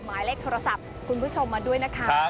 หมายเลขโทรศัพท์คุณผู้ชมมาด้วยนะคะ